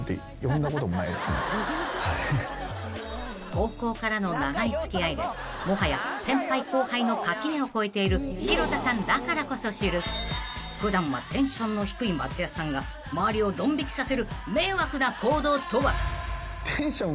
［高校からの長い付き合いでもはや先輩後輩の垣根を越えている城田さんだからこそ知る普段はテンションの低い松也さんが周りをドン引きさせる迷惑な行動とは？］